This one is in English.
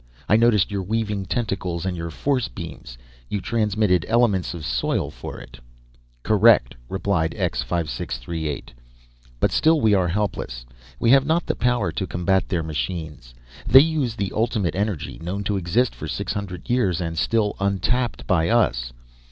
I noticed your weaving tentacles, and your force beams. You transmuted elements of soil for it?" "Correct," replied X 5638. "But still we are helpless. We have not the power to combat their machines. They use the Ultimate Energy known to exist for six hundred years, and still untapped by us.